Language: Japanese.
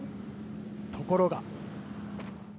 ところが。